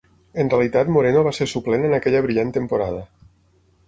En realitat Moreno va ser suplent en aquella brillant temporada.